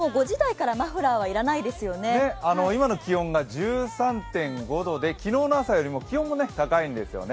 今の気温が１３．５度で、昨日の朝よりも気温も高いんですよね。